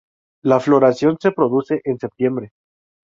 La floración se produce en septiembre.